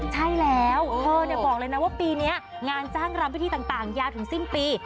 ใช่แล้วเธอบอกเลยนะว่าปีนี้งานจ้างรำพิธีต่างยาวถึงสิ้นปี